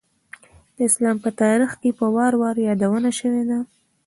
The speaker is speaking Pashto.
د اسلام په تاریخ کې په وار وار یادونه شوېده.